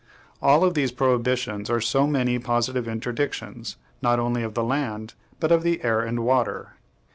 All these prohibitions are so many positive interdictions, not only of the land, but of the air and water.